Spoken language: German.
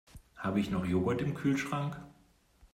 Habe ich noch Joghurt im Kühlschrank?